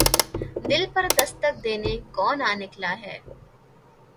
دل پر دستک دینے کون آ نکلا ہے